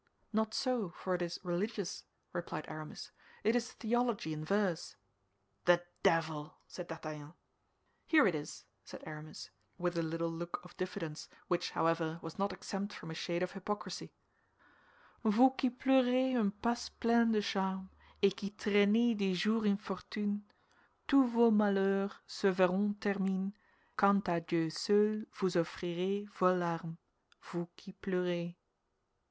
"Not so, for it is religious," replied Aramis; "it is theology in verse." "The devil!" said D'Artagnan. "Here it is," said Aramis, with a little look of diffidence, which, however, was not exempt from a shade of hypocrisy: "Vous qui pleurez un passé plein de charmes, Et qui trainez des jours infortunés, Tous vos malheurs se verront terminés, Quand à Dieu seul vous offrirez vos larmes, Vous qui pleurez!"